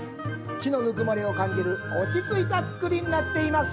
木のぬくもりを感じる落ちついた造りになっています。